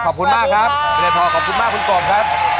ขอบคุณมากครับ